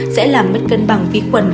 sẽ làm mất cân bằng vi khuẩn